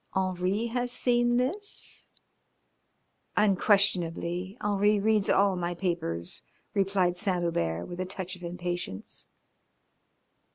"Henri has seen this?" "Unquestionably. Henri reads all my papers," replied Saint Hubert, with a touch of impatience.